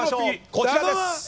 こちらです。